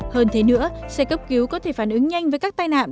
hơn thế nữa xe cấp cứu có thể phản ứng nhanh với các tai nạn